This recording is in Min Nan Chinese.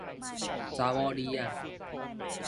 查某李仔